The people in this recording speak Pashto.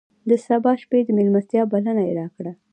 د سبا شپې د مېلمستیا بلنه یې راکړه.